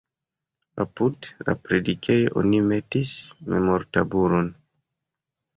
Apud la predikejo oni metis memortabulon.